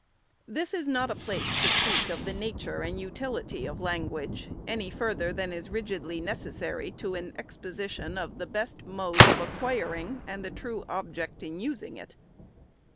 This is not a place to speak of the nature and utility of language, any further than is rigidly necessary to an exposition of the best mode of acquiring and the true object in using it.